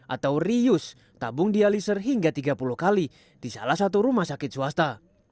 atau reuse tabung dialiser hingga tiga puluh kali di salah satu rumah sakit swasta